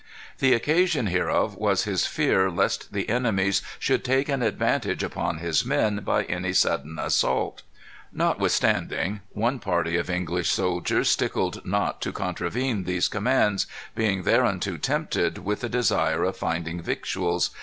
"The occasion hereof was his fear lest the enemies should take an advantage upon his men by any sudden assault. Notwithstanding, one party of English soldiers stickled not to contravene these commands, being thereunto tempted with the desire of finding victuals.